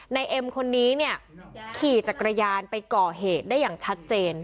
นายเอ็มคนนี้ขี่จักรยานไปเกาะเหตุได้อย่างชัดเจน